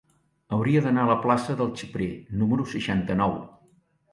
Hauria d'anar a la plaça del Xiprer número seixanta-nou.